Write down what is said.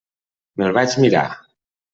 Me'l vaig mirar.